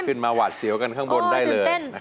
ขึ้นมาหวัดเสียวกันข้างบนได้เลยโอ้ตื่นเต้น